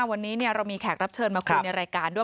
วันนี้เรามีแขกรับเชิญมาคุยในรายการด้วย